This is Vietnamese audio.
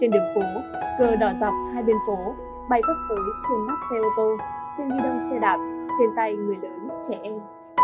trên đường phố cờ đỏ dọc hai bên phố bay phát phối trên móc xe ô tô trên ghi đông xe đạp trên tay người lớn trẻ em